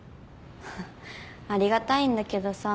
ありがたいんだけどさ。